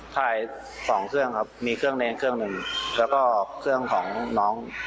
ถ่ายสองเครื่องครับมีเครื่องเนรเครื่องหนึ่งแล้วก็เครื่องของน้อง